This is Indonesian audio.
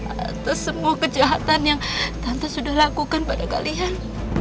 atas semua kejahatan yang tante sudah lakukan pada kalian